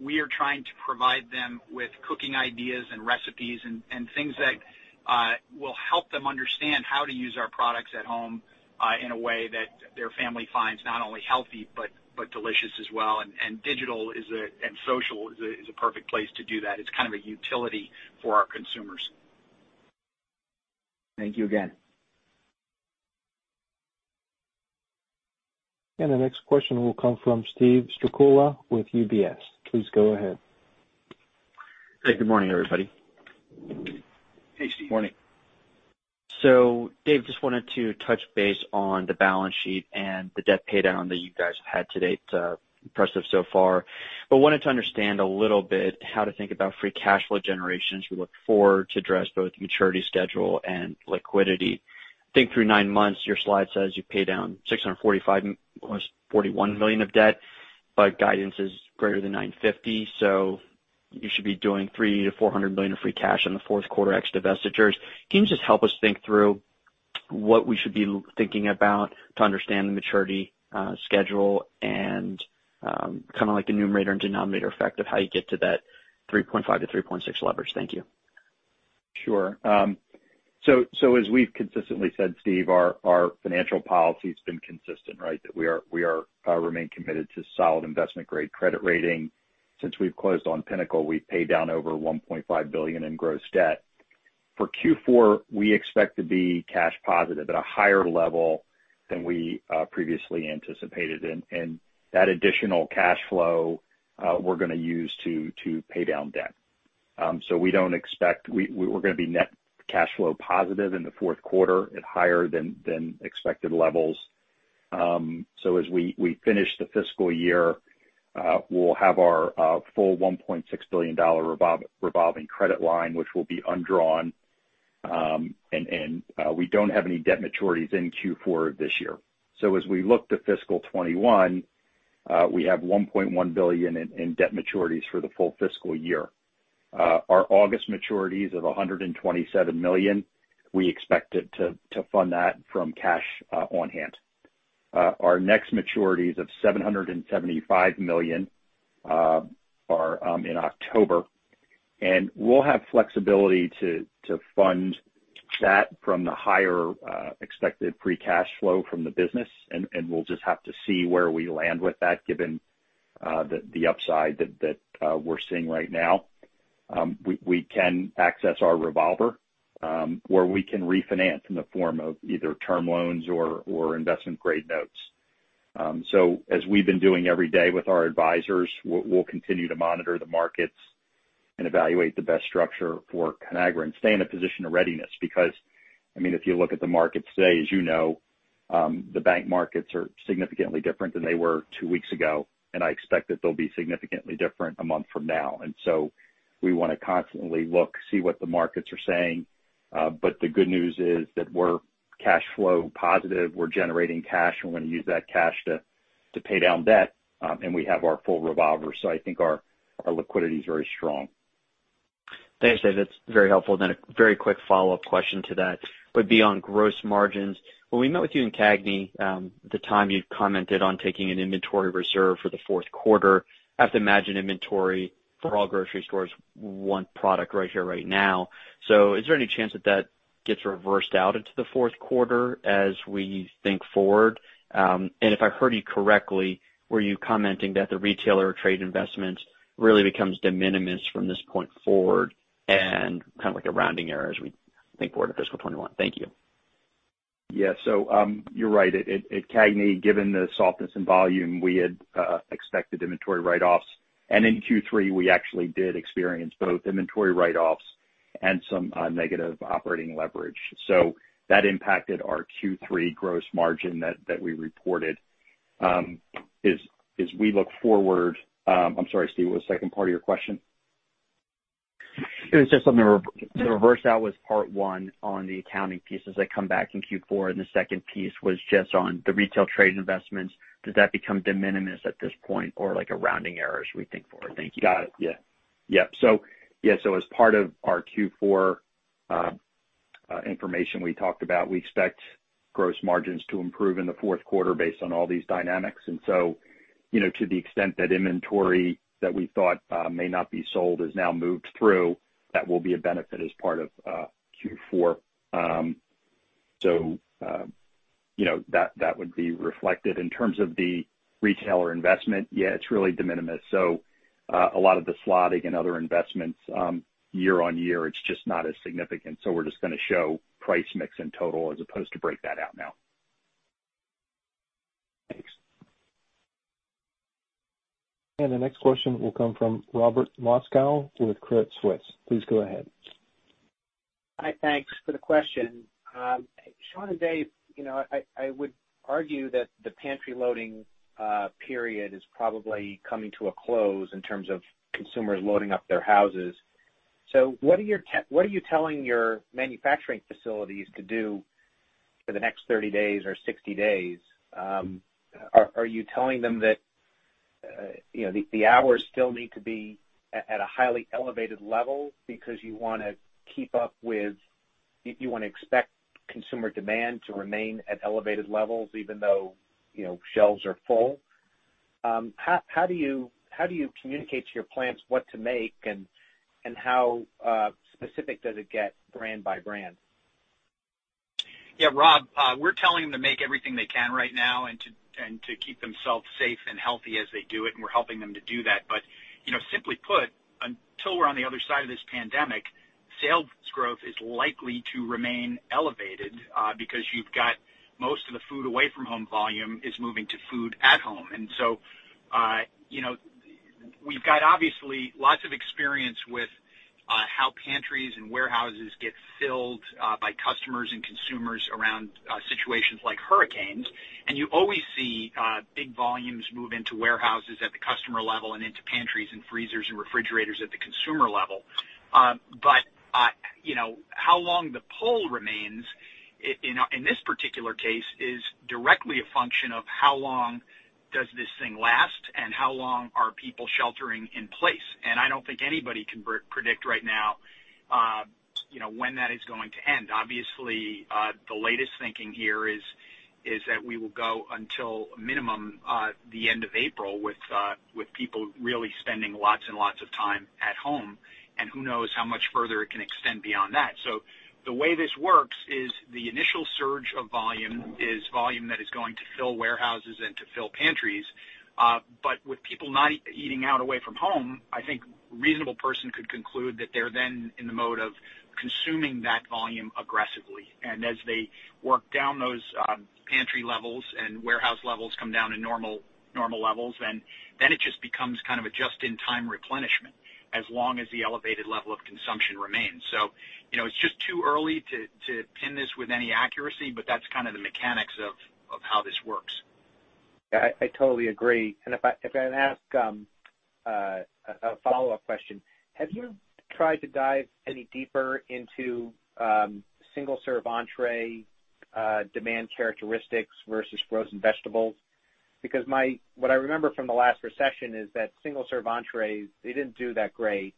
we are trying to provide them with cooking ideas and recipes and things that will help them understand how to use our products at home in a way that their family finds not only healthy but delicious as well. And digital and social is a perfect place to do that. It's kind of a utility for our consumers. Thank you again. And the next question will come from Steve Strycula with UBS. Please go ahead. Hey, good morning, everybody. Hey, Steve. Morning. So Dave just wanted to touch base on the balance sheet and the debt paydown that you guys have had to date. Impressive so far. But wanted to understand a little bit how to think about free cash flow generations. We look forward to address both maturity schedule and liquidity. I think through nine months, your slide says you pay down $641 million of debt, but guidance is greater than $950 million. So you should be doing $300 to $400 million of free cash in the Q4 ex-divestiture. Can you just help us think through what we should be thinking about to understand the maturity schedule and kind of like the numerator and denominator effect of how you get to that 3.5 to 3.6 leverage? Thank you. Sure. So as we've consistently said, Steve, our financial policy has been consistent, right? That we remain committed to solid investment-grade credit rating. Since we've closed on Pinnacle, we've paid down over $1.5 billion in gross debt. For Q4, we expect to be cash positive at a higher level than we previously anticipated, and that additional cash flow, we're going to use to pay down debt. So we don't expect we're going to be net cash flow positive in the Q4 at higher than expected levels. So as we finish the fiscal year, we'll have our full $1.6 billion revolving credit line, which will be undrawn. And we don't have any debt maturities in Q4 this year. So as we look to fiscal 2021, we have $1.1 billion in debt maturities for the full fiscal year. Our August maturities of $127 million, we expect to fund that from cash on hand. Our next maturities of $775 million are in October. And we'll have flexibility to fund that from the higher expected free cash flow from the business. And we'll just have to see where we land with that given the upside that we're seeing right now. We can access our revolver where we can refinance in the form of either term loans or investment-grade notes. So as we've been doing every day with our advisors, we'll continue to monitor the markets and evaluate the best structure for Conagra and stay in a position of readiness because, I mean, if you look at the markets today, as you know, the bank markets are significantly different than they were two weeks ago. And I expect that they'll be significantly different a month from now. And so we want to constantly look, see what the markets are saying. But the good news is that we're cash flow positive. We're generating cash. We're going to use that cash to pay down debt. And we have our full revolver. So I think our liquidity is very strong. Thanks, David. That's very helpful. Then a very quick follow-up question to that would be on gross margins. When we met with you in CAGNY, at the time you commented on taking an inventory reserve for the Q4, I have to imagine inventory for all grocery stores want product right here right now. So is there any chance that that gets reversed out into the Q4 as we think forward? And if I heard you correctly, were you commenting that the retailer trade investment really becomes de minimis from this point forward and kind of like a rounding error as we think forward to fiscal 2021? Thank you. Yeah. So you're right. At CAGNY, given the softness in volume, we had expected inventory write-offs. And in Q3, we actually did experience both inventory write-offs and some negative operating leverage. So that impacted our Q3 gross margin that we reported. As we look forward, I'm sorry, Steve, what was the second part of your question? It was just something to reverse out. Was part one on the accounting pieces that come back in Q4? And the second piece was just on the retail trade investments. Does that become de minimis at this point or like a rounding error as we think forward? Thank you. Got it. Yeah. Yeah. So yeah, so as part of our Q4 information we talked about, we expect gross margins to improve in the Q4 based on all these dynamics. And so to the extent that inventory that we thought may not be sold has now moved through, that will be a benefit as part of Q4. So that would be reflected in terms of the retailer investment. Yeah, it's really de minimis. So a lot of the slotting and other investments year-on-year, it's just not as significant. So we're just going to show price mix in total as opposed to break that out now. Thanks. And the next question will come from Robert Moskow with Credit Suisse. Please go ahead. Hi, thanks for the question. Sean and Dave, I would argue that the pantry loading period is probably coming to a close in terms of consumers loading up their houses. What are you telling your manufacturing facilities to do for the next 30 days or 60 days? Are you telling them that the hours still need to be at a highly elevated level because you want to keep up with what you expect consumer demand to remain at elevated levels even though shelves are full? How do you communicate to your plants what to make and how specific does it get brand by brand? Yeah, Rob, we're telling them to make everything they can right now and to keep themselves safe and healthy as they do it. And we're helping them to do that. But simply put, until we're on the other side of this pandemic, sales growth is likely to remain elevated because you've got most of the food away from home volume is moving to food at home. And so we've got obviously lots of experience with how pantries and warehouses get filled by customers and consumers around situations like hurricanes. And you always see big volumes move into warehouses at the customer level and into pantries and freezers and refrigerators at the consumer level. But how long the pull remains in this particular case is directly a function of how long does this thing last and how long are people sheltering in place. I don't think anybody can predict right now when that is going to end. Obviously, the latest thinking here is that we will go until minimum the end of April with people really spending lots and lots of time at home. Who knows how much further it can extend beyond that. The way this works is the initial surge of volume is volume that is going to fill warehouses and to fill pantries. With people not eating out away from home, I think a reasonable person could conclude that they're then in the mode of consuming that volume aggressively. As they work down those pantry levels and warehouse levels come down to normal levels, then it just becomes kind of a just-in-time replenishment as long as the elevated level of consumption remains. So it's just too early to pin this with any accuracy, but that's kind of the mechanics of how this works. I totally agree. And if I can ask a follow-up question, have you tried to dive any deeper into single-serve entree demand characteristics versus frozen vegetables? Because what I remember from the last recession is that single-serve entree, they didn't do that great.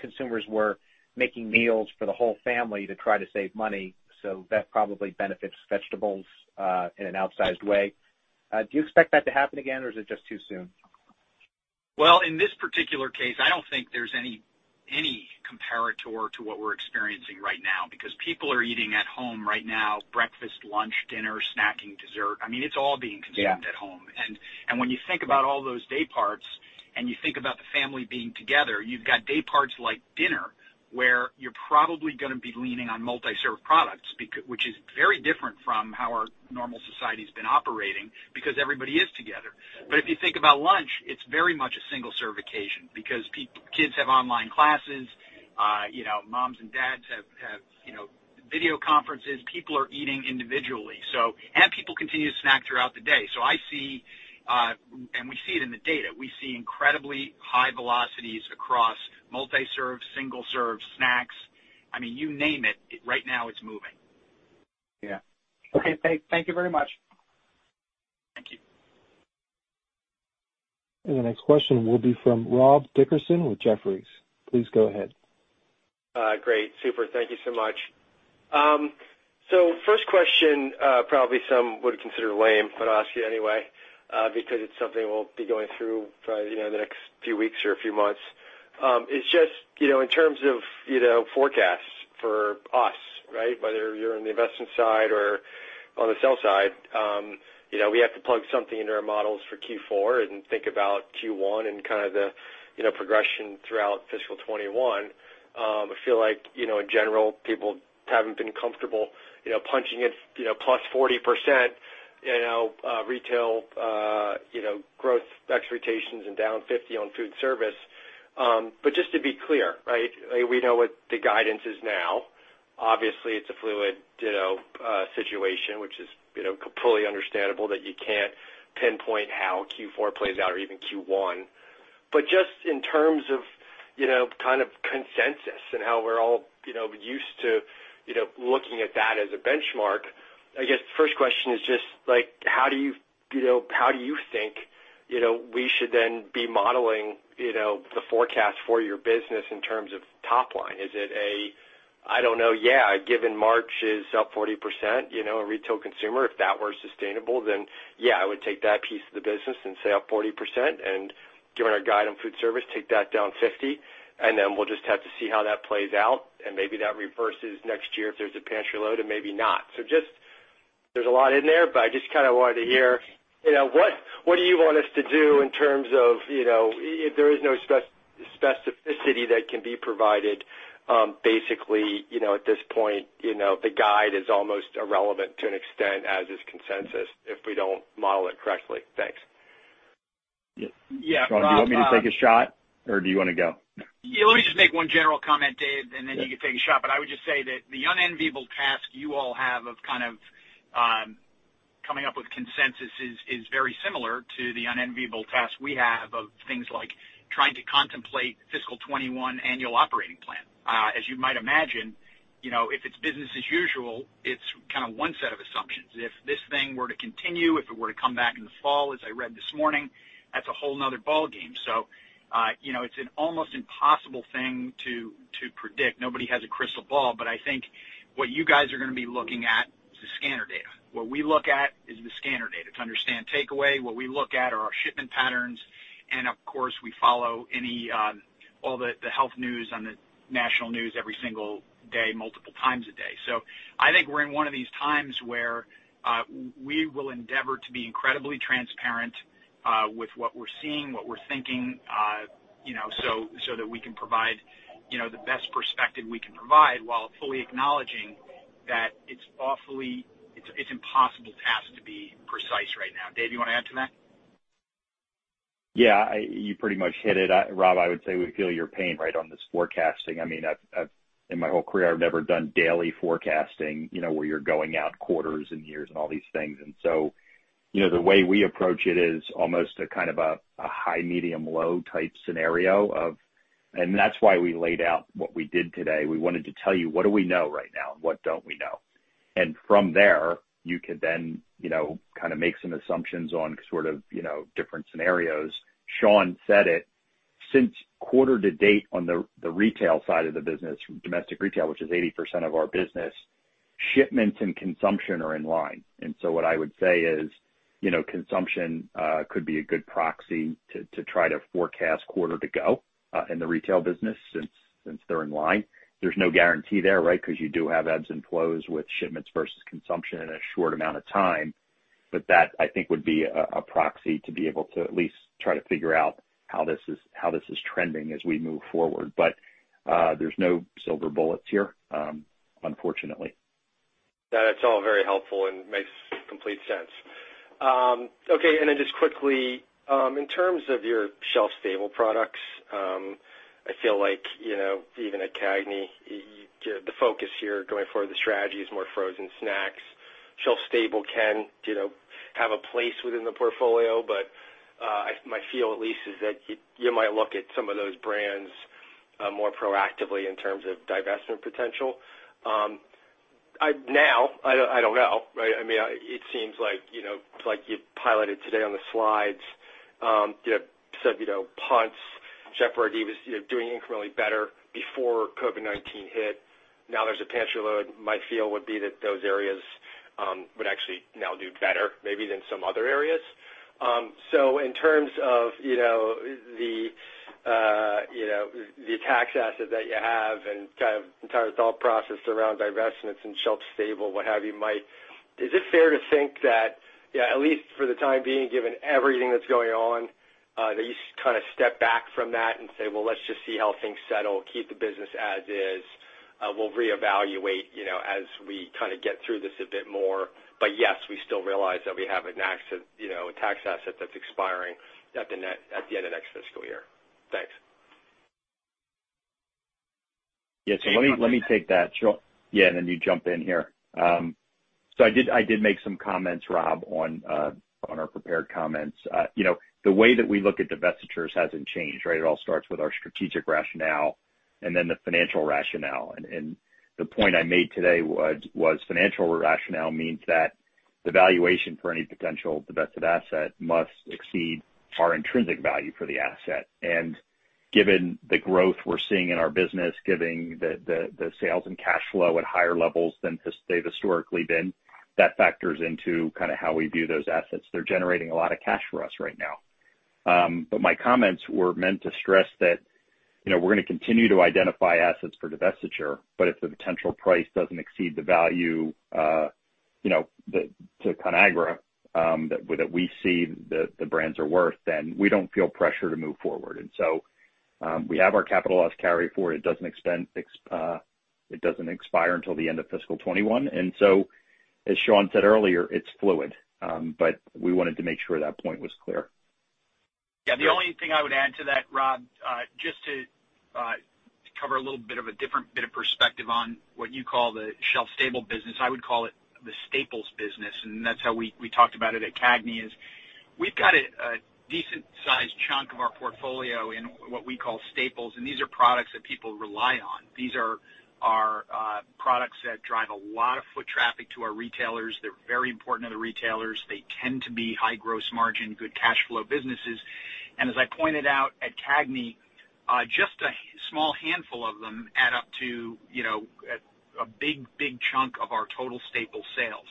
Consumers were making meals for the whole family to try to save money. So that probably benefits vegetables in an outsized way. Do you expect that to happen again, or is it just too soon? Well, in this particular case, I don't think there's any comparator to what we're experiencing right now because people are eating at home right now, breakfast, lunch, dinner, snacking, dessert. I mean, it's all being consumed at home. And when you think about all those day parts and you think about the family being together, you've got day parts like dinner where you're probably going to be leaning on multi-serve products, which is very different from how our normal society has been operating because everybody is together. But if you think about lunch, it's very much a single-serve occasion because kids have online classes, moms and dads have video conferences, people are eating individually. And people continue to snack throughout the day. So I see, and we see it in the data, we see incredibly high velocities across multi-serve, single-serve, snacks. I mean, you name it, right now it's moving. Yeah. Okay. Thank you very much. Thank you. And the next question will be from Rob Dickerson with Jefferies. Please go ahead. Great. Super. Thank you so much. So first question, probably some would consider lame, but I'll ask it anyway because it's something we'll be going through probably the next few weeks or a few months. It's just in terms of forecasts for us, right? Whether you're on the investment side or on the sell side, we have to plug something into our models for Q4 and think about Q1 and kind of the progression throughout fiscal 2021. I feel like in general, people haven't been comfortable punching it plus 40% retail growth expectations and down 50% on Foodservice. But just to be clear, right? We know what the guidance is now. Obviously, it's a fluid situation, which is completely understandable that you can't pinpoint how Q4 plays out or even Q1. But just in terms of kind of consensus and how we're all used to looking at that as a benchmark, I guess the first question is just how do you think we should then be modeling the forecast for your business in terms of top line? Is it a, I don't know, yeah, given March is up 40%, a retail consumer, if that were sustainable, then yeah, I would take that piece of the business and say up 40%. And given our guide on Foodservice, take that down 50%. And then we'll just have to see how that plays out. And maybe that reverses next year if there's a pantry loading and maybe not. So, there's a lot in there, but I just kind of wanted to hear what do you want us to do in terms of if there is no specificity that can be provided. Basically, at this point, the guide is almost irrelevant to an extent, as is consensus, if we don't model it correctly. Thanks. Yeah. Sean, do you want me to take a shot, or do you want to go? Let me just make one general comment, Dave, and then you can take a shot. But I would just say that the unenviable task you all have of kind of coming up with consensus is very similar to the unenviable task we have of things like trying to contemplate fiscal 2021 annual operating plan. As you might imagine, if it's business as usual, it's kind of one set of assumptions. If this thing were to continue, if it were to come back in the fall, as I read this morning, that's a whole other ball game. So it's an almost impossible thing to predict. Nobody has a crystal ball. But I think what you guys are going to be looking at is the scanner data. What we look at is the scanner data to understand takeaway. What we look at are our shipment patterns. And of course, we follow all the health news on the national news every single day, multiple times a day. So I think we're in one of these times where we will endeavor to be incredibly transparent with what we're seeing, what we're thinking, so that we can provide the best perspective we can provide while fully acknowledging that it's an awfully impossible task to be precise right now. Dave, do you want to add to that? Yeah. You pretty much hit it. Rob, I would say we feel your pain right on this forecasting. I mean, in my whole career, I've never done daily forecasting where you're going out quarters and years and all these things. And so the way we approach it is almost a kind of a high, medium, low type scenario. And that's why we laid out what we did today. We wanted to tell you what do we know right now and what don't we know. And from there, you can then kind of make some assumptions on sort of different scenarios. Sean said it, since quarter to date on the retail side of the business, domestic retail, which is 80% of our business, shipments and consumption are in line. And so what I would say is consumption could be a good proxy to try to forecast quarter to go in the retail business since they're in line. There's no guarantee there, right? Because you do have ebbs and flows with shipments versus consumption in a short amount of time. But that, I think, would be a proxy to be able to at least try to figure out how this is trending as we move forward. But there's no silver bullets here, unfortunately. That's all very helpful and makes complete sense. Okay. And then just quickly, in terms of your shelf-stable products, I feel like even at CAGNY, the focus here going forward, the strategy is more frozen snacks. Shelf-stable can have a place within the portfolio, but my feel at least is that you might look at some of those brands more proactively in terms of divestment potential. Now, I don't know. I mean, it seems like you highlighted today on the slides. You said Hunt's, Chef Boyardee was doing incrementally better before COVID-19 hit. Now there's a pantry load. My feel would be that those areas would actually now do better maybe than some other areas. So in terms of the tax asset that you have and kind of entire thought process around divestments and shelf-stable, what have you, is it fair to think that at least for the time being, given everything that's going on, that you kind of step back from that and say, "Well, let's just see how things settle, keep the business as is. We'll reevaluate as we kind of get through this a bit more"? But yes, we still realize that we have a tax asset that's expiring at the end of next fiscal year. Thanks. Yeah. So let me take that. Yeah. And then you jump in here. So I did make some comments, Rob, on our prepared comments. The way that we look at divestitures hasn't changed, right? It all starts with our strategic rationale and then the financial rationale. And the point I made today was financial rationale means that the valuation for any potential divested asset must exceed our intrinsic value for the asset. And given the growth we're seeing in our business, given the sales and cash flow at higher levels than they've historically been, that factors into kind of how we view those assets. They're generating a lot of cash for us right now. But my comments were meant to stress that we're going to continue to identify assets for divestiture, but if the potential price doesn't exceed the value to Conagra that we see the brands are worth, then we don't feel pressure to move forward. And so we have our capital loss carry forward. It doesn't expire until the end of fiscal 2021. And so as Sean said earlier, it's fluid. But we wanted to make sure that point was clear. Yeah. The only thing I would add to that, Rob, just to cover a little bit of a different bit of perspective on what you call the shelf-stable business, I would call it the staples business. And that's how we talked about it at CAGNY is we've got a decent-sized chunk of our portfolio in what we call staples. And these are products that people rely on. These are products that drive a lot of foot traffic to our retailers. They're very important to the retailers. They tend to be high gross margin, good cash flow businesses. And as I pointed out at CAGNY, just a small handful of them add up to a big, big chunk of our total staple sales.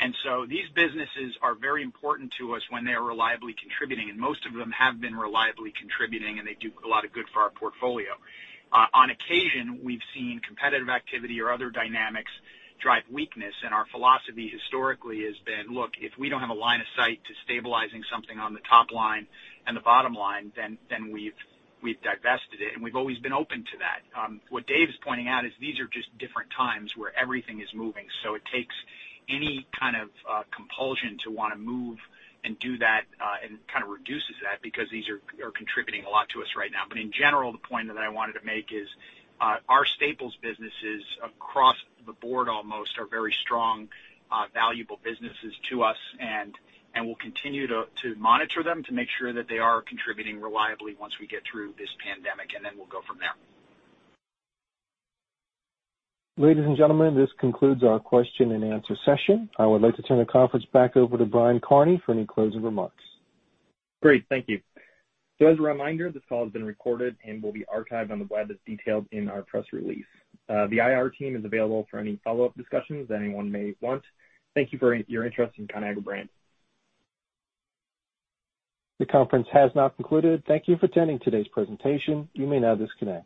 And so these businesses are very important to us when they are reliably contributing. And most of them have been reliably contributing, and they do a lot of good for our portfolio. On occasion, we've seen competitive activity or other dynamics drive weakness. And our philosophy historically has been, "Look, if we don't have a line of sight to stabilizing something on the top line and the bottom line, then we've divested it." And we've always been open to that. What Dave's pointing out is these are just different times where everything is moving. So it takes any kind of compulsion to want to move and do that and kind of reduces that because these are contributing a lot to us right now.In general, the point that I wanted to make is our staples businesses across the board almost are very strong, valuable businesses to us. And we'll continue to monitor them to make sure that they are contributing reliably once we get through this pandemic. And then we'll go from there. Ladies and gentlemen, this concludes our question and answer session. I would like to turn the conference back over to Brian Kearney for any closing remarks. Great. Thank you. So as a reminder, this call has been recorded and will be archived on the web as detailed in our press release. The IR team is available for any follow-up discussions that anyone may want. Thank you for your interest in Conagra Brands. The conference has now concluded. Thank you for attending today's presentation. You may now disconnect.